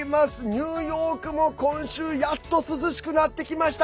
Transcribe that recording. ニューヨークも今週やっと涼しくなってきました。